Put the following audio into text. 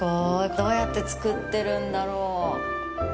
どうやって造ってるんだろ！？